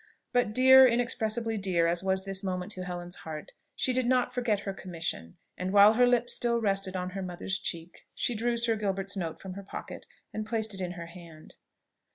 But dear, inexpressibly dear as was this moment to Helen's heart, she did not forget her commission; and while her lips still rested on her mother's cheek, she drew Sir Gilbert's note from her pocket and placed it in her hand.